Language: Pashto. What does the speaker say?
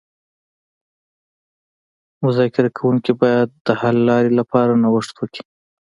مذاکره کوونکي باید د حل لارې لپاره نوښت وکړي